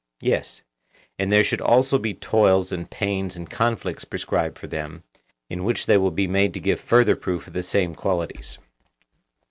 Yes. And there should also be toils and pains and conflicts prescribed for them, in which they will be made to give further proof of the same qualities.